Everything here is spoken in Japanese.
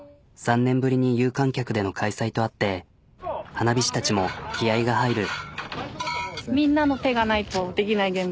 ３年ぶりに有観客での開催とあって花火師たちも気合いが入る。